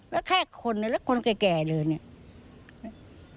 แล้วแค่คนเนี่ยแล้วคนแก่เดี๋ยวเนี่ย